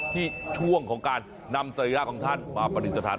ช่วงของการนำสรีระของท่านมาปฏิสถาน